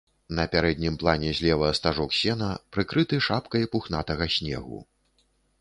На пярэднім плане злева стажок сена, прыкрыты шапкай пухнатага снегу.